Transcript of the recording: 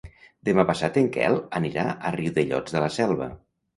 Demà passat en Quel anirà a Riudellots de la Selva.